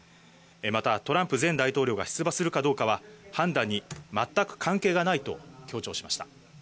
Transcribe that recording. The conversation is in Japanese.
また、トランプ前大統領が出馬するかどうかは判断に全く関係がないと強調しました。